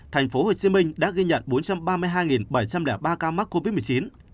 thành phố hồ chí minh đã ghi nhận bốn trăm ba mươi hai bảy trăm linh ba ca mắc covid một mươi chín